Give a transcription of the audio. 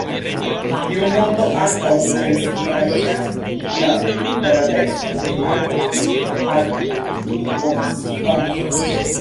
Tiu moto ankaŭ elstarigas la gravecon de akvo al Bocvano.